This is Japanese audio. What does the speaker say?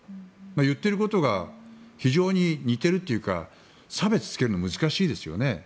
言ってることが非常に似ているというか差別つけるの難しいですよね。